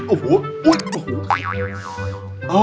โอ้โหโอ้โห